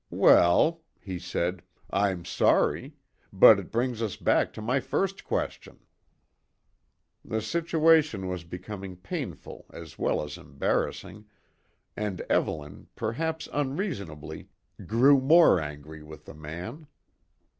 "Well," he said, "I'm sorry; but it brings us back to my first question." The situation was becoming painful as well as embarrassing, and Evelyn, perhaps unreasonably, grew more angry with the man.